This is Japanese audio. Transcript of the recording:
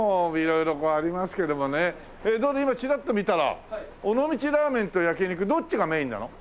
どう今チラッと見たら尾道ラーメンと焼肉どっちがメインなの？